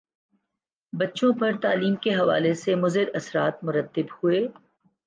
بچوں پر تعلیم کے حوالے سے مضراثرات مرتب ہوئے